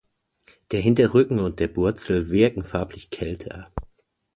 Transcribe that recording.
Der Hinterrücken und der Bürzel wirken farblich kälter.